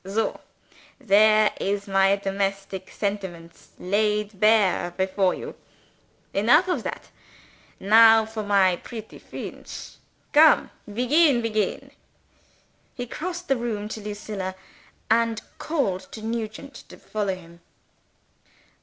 there is my domestic sentiments laid bare before you. Enough of that. Now for my pretty Feench! Come begin begin!" He crossed the room to Lucilla, and called to Nugent to follow him.